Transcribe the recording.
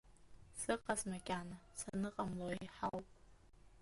Сыҟаз макьана, саныҟамло еиҳауп.